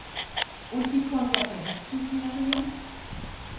Und die Konvergenzkriterien?